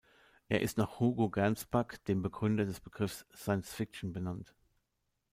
Er ist nach Hugo Gernsback, dem Begründer des Begriffs Science-Fiction, benannt.